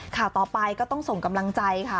ข่าวต่อไปก็ต้องส่งกำลังใจค่ะ